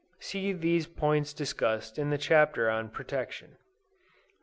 (See these points discussed in the Chapter on Protection.)